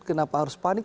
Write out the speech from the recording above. kenapa harus panik